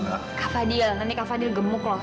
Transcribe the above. kak fadil nanti kak fadil gemuk loh